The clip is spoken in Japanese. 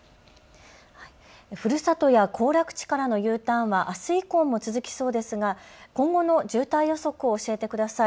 ふるさとや行楽地からのＵターンはあす以降も続きそうですが、今後の渋滞予測を教えてください。